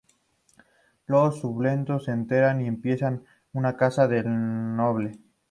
Los sublevados se enteran y empieza una caza del hombre.